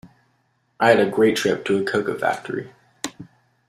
I had a great trip to a cocoa factory.